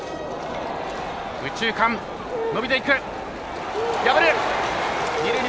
右中間、伸びていく。